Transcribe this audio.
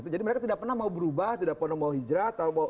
jadi mereka tidak pernah mau berubah tidak pernah mau hijrah